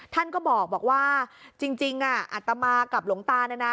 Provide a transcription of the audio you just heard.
ท่านก็บอกว่าจริงอัตมากับหลวงตาเนี่ยนะ